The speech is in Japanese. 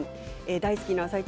大好きな「あさイチ」